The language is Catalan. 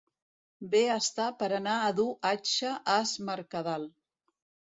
Bé està per anar a dur atxa as Mercadal!